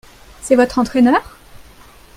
C'est votre entraineur ?